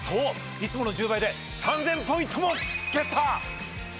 いつもの１０倍で３，０００ポイントもゲット！